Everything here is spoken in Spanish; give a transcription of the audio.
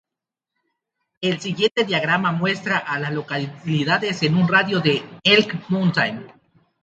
El siguiente diagrama muestra a las localidades en un radio de de Elk Mountain.